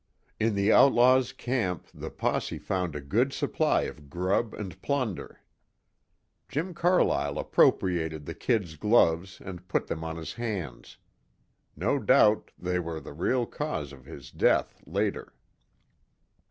In the outlaws' camp the posse found a good supply of grub and plunder. Jim Carlyle appropriated the "Kid's" gloves and put them on his hands. No doubt they were the real cause of his death later.